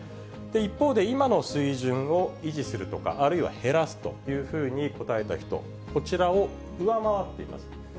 一方で、今の水準を維持するとかあるいは減らすというふうに答えた人、こちらを上回っています。